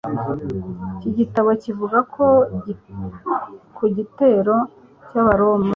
Iki gitabo kivuga ku gitero cy'Abaroma.